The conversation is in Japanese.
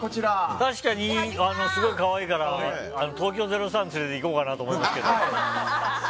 確かに、すごい可愛いから東京０３連れて行こうかなと思います。